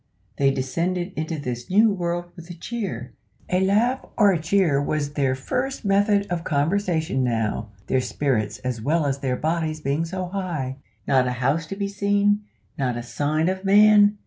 They descended into this new world with a cheer. A laugh or a cheer was their chief method of conversation now their spirits as well as their bodies being so high. "Not a house to be seen! not a sign of man!